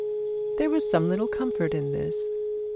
There was some comfort in this.